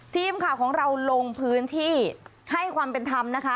ทีมข่าวของเราลงพื้นที่ให้ความเป็นธรรมนะคะ